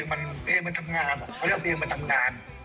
แต่ว่าเราก็มีมูลไหม